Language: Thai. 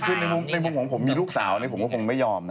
คือในมุมของผมมีลูกสาวผมก็คงไม่ยอมนะ